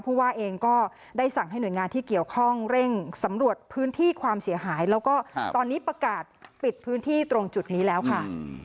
ผู้ว่าเองก็ได้สั่งให้หน่วยงานที่เกี่ยวข้องเร่งสำรวจพื้นที่ความเสียหายแล้วก็ตอนนี้ประกาศปิดพื้นที่ตรงจุดนี้แล้วค่ะ